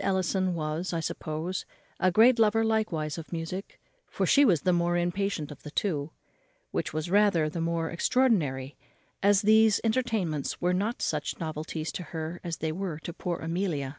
Ellison was, I suppose, a great lover likewise of music, for she was the more impatient of the two; which was rather the more extraordinary; as these entertainments were not such novelties to her as they were to poor Amelia.